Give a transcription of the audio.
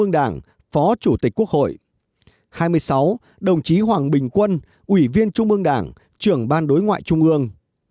hai mươi sáu đồng chí hoàng bình quân ủy viên trung ương đảng trưởng ban đối ngoại trung ương